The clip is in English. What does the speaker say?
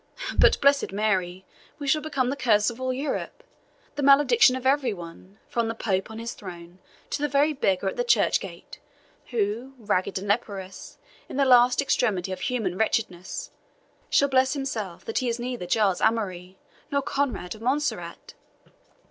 But, blessed Mary! we shall become the curse of all Europe, the malediction of every one, from the Pope on his throne to the very beggar at the church gate, who, ragged and leprous, in the last extremity of human wretchedness, shall bless himself that he is neither Giles Amaury nor Conrade of Montserrat."